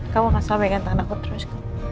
kamu akan selalu pegang tangan aku terus